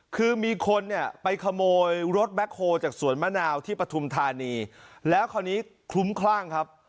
คือมีคนเนี่ยไปขโมยรถแบ็คโฮลจากสวนมะนาวที่ปฐุมธานีแล้วคราวนี้คลุ้มคลั่งครับ